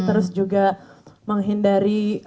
terus juga menghindari